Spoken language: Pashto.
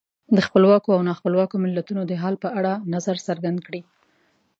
د خپلواکو او نا خپلواکو ملتونو د حال په اړه نظر څرګند کړئ.